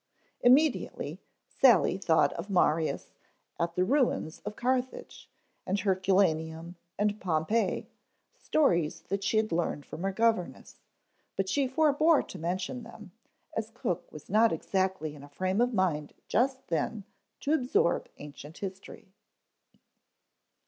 Immediately Sally thought of Marius at the ruins of Carthage, and Herculaneum and Pompeii, stories that she had learned from her governess; but she forbore to mention them, as cook was not exactly in a frame of mind just then to absorb ancient history.